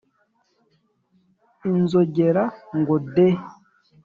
inzogera ngo de